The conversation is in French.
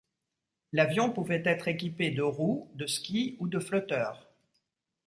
L'avion pouvait être équipé de roues, de skis ou de flotteurs.